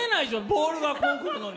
ボールが来るのに。